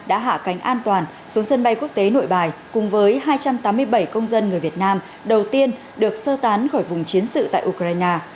đã hạ cánh an toàn xuống sân bay quốc tế nội bài cùng với hai trăm tám mươi bảy công dân người việt nam đầu tiên được sơ tán khỏi vùng chiến sự tại ukraine